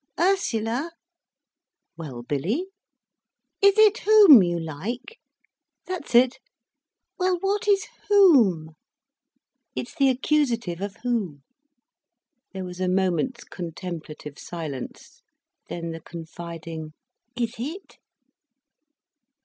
"Ursula?" "Well Billy?" "Is it whom you like?" "That's it." "Well what is whom?" "It's the accusative of who." There was a moment's contemplative silence, then the confiding: "Is it?"